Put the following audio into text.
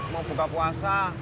mau buka puasa